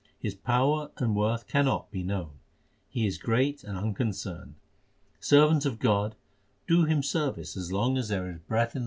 His power and worth cannot be known ; He is great and unconcerned. Servant of God, do Him service as long as there is breath in thy body.